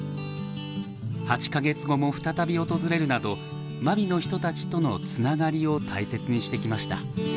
８か月後も再び訪れるなど真備の人たちとのつながりを大切にしてきました。